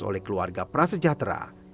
oleh keluarga prasejahtera